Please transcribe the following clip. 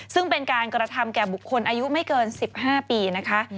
ซึ่งเป็นการกระทำแก่บุคคลอายุไม่เกิน๑๕ปีนะคะ